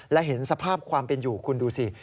และเห็นสภาพความเป็นอยู่คุณดูสิ